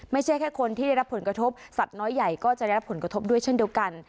ไม่ใช่แค่คนที่ได้รับผลกระทบสัตว์น้อยใหญ่ก็จะได้รับผลกระทบด้วยเช่นเดียวกัน